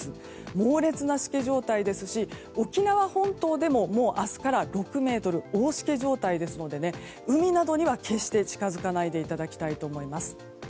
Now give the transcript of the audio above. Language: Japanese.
猛烈なしけ状態ですし沖縄本島でも明日から６ｍ大しけ状態ですので海などには決して近づかないでいただきたいと思います。